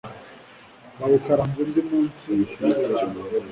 babukaranze ndi munsi y'urujyo